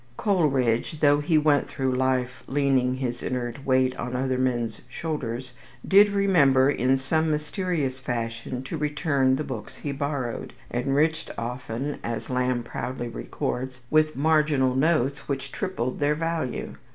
Coleridge, though he went through life leaning his inert weight on other men's shoulders, did remember in some mysterious fashion to return the books he borrowed, enriched often, as Lamb proudly records, with marginal notes which tripled their value.